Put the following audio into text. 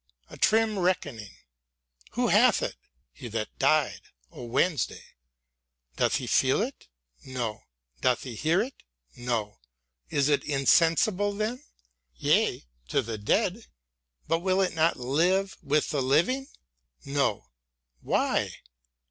A trim reckoning l^Who hath it ? He that died o' Wednesday. Doth he feel it f No. Doth he hear it f No. Is it insensible then ? Yea, to the dead. But will it not live with the living ? No. Why